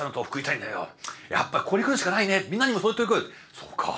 「そうか。